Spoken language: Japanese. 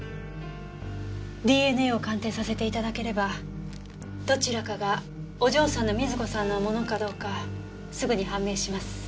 ＤＮＡを鑑定させて頂ければどちらかがお嬢さんの瑞子さんのものかどうかすぐに判明します。